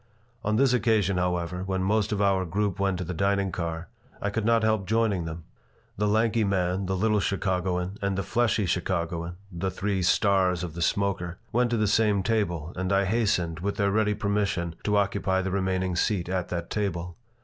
On this occasion, however, when most of our group went to the dining car I could not help joining them. The lanky man, the little Chicagoan, and the fleshy Chicagoan the three "stars" of the smoker went to the same table, and I hastened, with their ready permission, to occupy the remaining seat at that table.